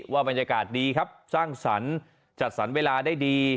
บรรยากาศดีครับสร้างสรรค์จัดสรรเวลาได้ดี